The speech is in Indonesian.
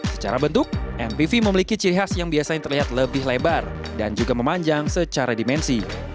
secara bentuk mpv memiliki ciri khas yang biasanya terlihat lebih lebar dan juga memanjang secara dimensi